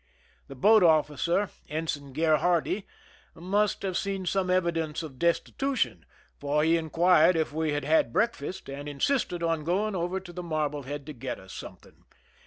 The boat officer. Ensign Gherardi, must have seen some evidence of destitution, for he inquired if we had had brealdast, and insisted on going over to the Marblehead to get us something.